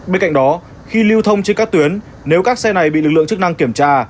bên cạnh đó khi lưu thông trên các tuyến nếu các xe này bị lực lượng chức năng kiểm tra